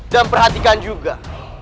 dan perhatikan juga